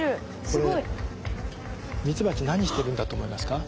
すごい。ミツバチ何してるんだと思いますか？